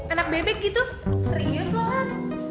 anak bebek gitu serius loh han